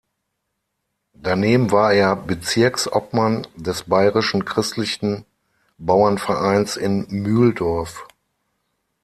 Daneben war er Bezirksobmann des Bayerischen christlichen Bauernvereins in Mühldorf.